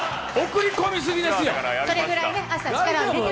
送り込みすぎですよ、大丈夫？